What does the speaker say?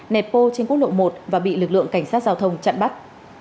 nẹp bô trên quốc lộ một và bị lực lượng cảnh sát giao thông chặn bắt